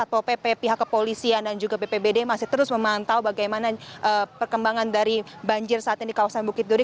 satpol pp pihak kepolisian dan juga bpbd masih terus memantau bagaimana perkembangan dari banjir saat ini di kawasan bukit duri